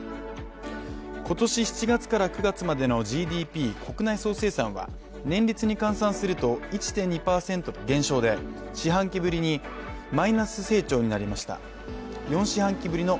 今年７月から９月までのＧＤＰ＝国内総生産は年率に換算すると、１．２％の減少で４四半期ぶりのマイナス成長となりました。